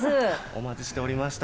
お待ちしておりました。